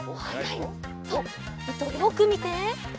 いとをよくみて。